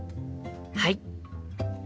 はい！